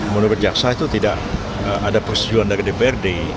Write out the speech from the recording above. menurut jaksa itu tidak ada persetujuan dari dprd